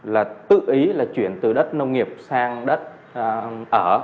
là tự ý là chuyển từ đất nông nghiệp sang đất ở